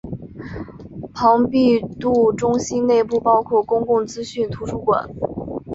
庞毕度中心内部包括公共资讯图书馆。